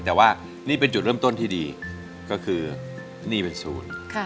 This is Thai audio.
แต่ว่านี่เป็นจุดเริ่มต้นที่ดีก็คือนี่เป็นศูนย์